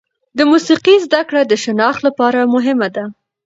د موسیقي زده کړه د شناخت لپاره مهمه ده.